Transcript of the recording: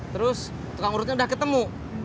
terus tukang urutnya udah ketemu